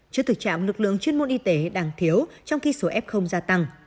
trước thực trạng lực lượng chuyên môn y tế đang thiếu trong khi số f gia tăng